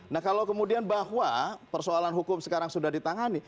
nah kalau kemudian bahwa persoalan hukum sekarang sudah ditangani